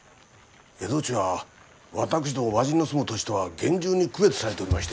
蝦夷地は私ども和人の住む土地とは厳重に区別されておりまして。